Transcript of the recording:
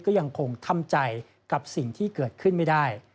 ก็ยังคงทำใจกับสิ่งที่เกิดขึ้นไม่ได้